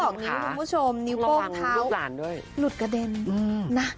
ต้องบอกนี้คุณผู้ชมนิ้วโป้งเท้าหลุดกระเด็น